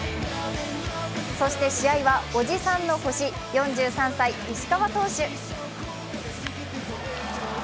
そして試合は、おじさんの星、４３歳・石川投手。